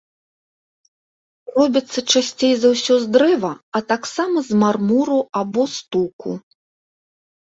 Робяцца часцей за ўсё з дрэва, а таксама з мармуру або стуку.